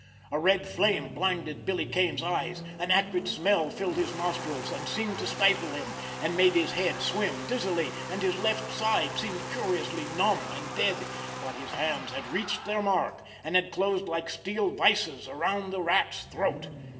A red flame blinded Billy Kane's eyes, an acrid smell filled his nostrils, and seemed to stifle him, and make his head swim dizzily, and his left side seemed curiously numb and dead, but his hands had reached their mark, and had closed like steel vises around the Rat's throat.